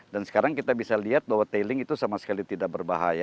dan sekarang kita bisa lihat bahwa tailing itu sama sekali tidak berbahaya